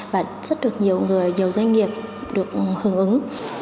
và rất được nhiều doanh nghiệp được hưởng ứng